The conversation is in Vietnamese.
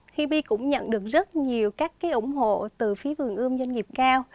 hip cũng nhận được rất nhiều các cái ủng hộ từ phía vườn ươm doanh nghiệp cao